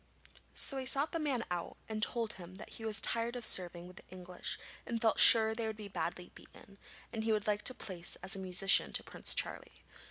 So he sought the man out, and told him that he was tired of serving with the English and felt sure they would be badly beaten, and he would like a place as musician to Prince Charlie.